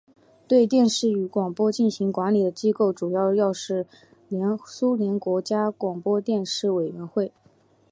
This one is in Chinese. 对电视与广播进行管理的机构主要是苏联国家广播电视委员会。